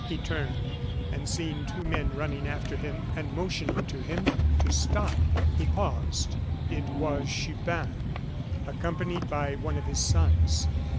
He turned, and seeing two men running after him and motioning him to stop, he paused. It was Chupin, accompanied by one of his sons.